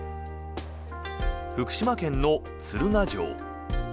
福島県の鶴ヶ城。